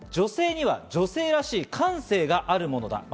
女性には女性らしい感性があるものだ。